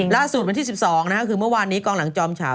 ล่าสุดวันที่๑๒คือเมื่อวานนี้กองหลังจอมเฉา